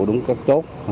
đúng các chốt